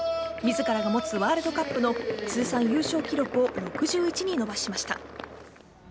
自らが持つワールドカップの通算優勝記録を６１に伸ばしました。